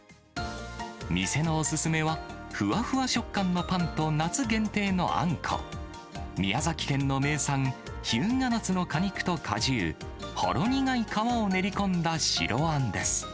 店のお勧めは、ふわふわ食感のパンと夏限定のあんこ、宮崎県の名産、日向夏の果肉と果汁、ほろ苦い皮を練り込んだ白あんです。